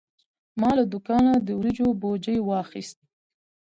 ما له دوکانه د وریجو بوجي واخیست.